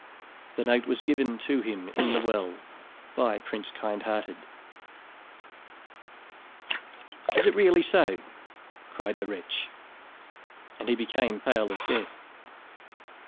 The note was given to him in the well by Prince Kindhearted." "Is it really so?" cried the wretch and he became pale as death.